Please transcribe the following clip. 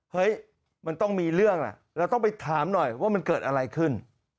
เฮ้ยมันต้องมีเรื่องล่ะเราต้องไปถามหน่อยว่ามันเกิดอะไรขึ้น